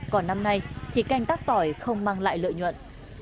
còn năm nay thì canh tác tỏi không mang lại lợi nhuận